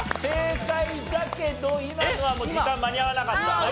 正解だけど今のはもう時間間に合わなかった。